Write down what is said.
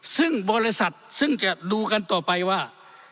ซึ่งบริษัทซึ่งจะดูกันต่อไปว่า